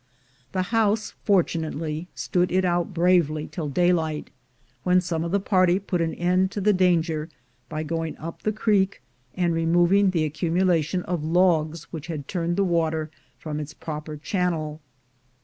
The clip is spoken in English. The house fortunately stood it out bravely till daylight, when some of the party put an end to the danger by going up the creek, and removing the accumulation of logs which had turned the water from its proper channel.